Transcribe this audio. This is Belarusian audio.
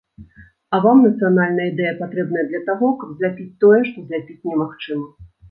А вам нацыянальная ідэя патрэбная для таго, каб зляпіць тое, што зляпіць немагчыма.